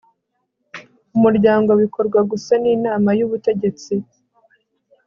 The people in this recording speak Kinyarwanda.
Umuryango bikorwa gusa n Inama y Ubutegetsi